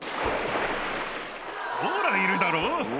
ほらいるだろ。